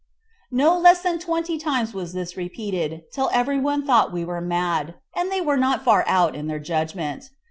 No less than twenty times was this repeated, till everybody thought we were mad, and they were not far out in their judgment.